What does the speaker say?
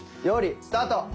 料理スタート。